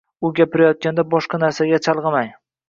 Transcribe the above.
U gapirayotganda boshqa narsalarga chalg‘imang.